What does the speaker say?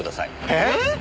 えっ？